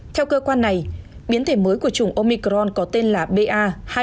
theo cơ quan này biến thể mới của chủng omicron có tên là ba hai nghìn một trăm hai mươi một